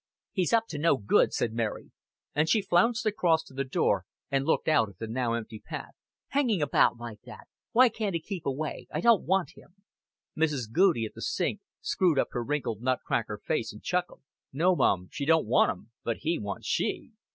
"He's up to no good," said Mary; and she flounced across to the door, and looked out at the now empty path. "Hanging about like that! Why can't he keep away? I don't want him." Mrs. Goudie, at the sink, screwed up her wrinkled nut cracker face, and chuckled. "No, mum, she don't want un. But he wants she."